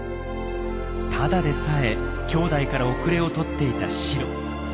ただでさえきょうだいから後れを取っていたシロ。